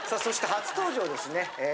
そして初登場ですね